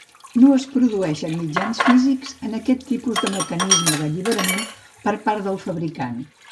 No es produeixen mitjans físics en aquest tipus de mecanisme de alliberament per part del fabricant.